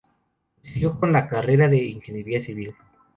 Prosiguió con la carrera de ingeniería civil.